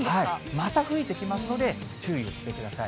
また吹いてきますので、注意をしてください。